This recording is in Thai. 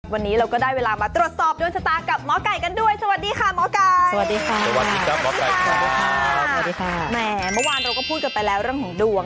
วันนี้เราก็ได้เวลามาตรวจสอบยนต์ชะตากับหมอก๋อยกันด้วย